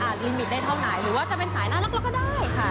ลิมิตได้เท่าไหนหรือว่าจะเป็นสายน่ารักก็ได้ค่ะ